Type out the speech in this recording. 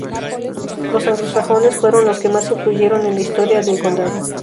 Los anglosajones fueron los que más influyeron en la historia del condado.